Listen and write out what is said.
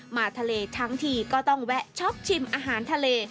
มาทะเลทั้งทีก็ต้องแวะช็อปชิมอาหารทะเล